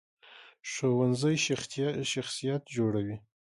ښوونځی شخصیت جوړوي